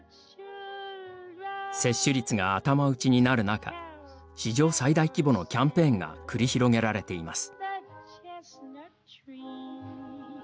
接種率が頭打ちになる中史上最大規模のキャンペーンが繰り広げられています。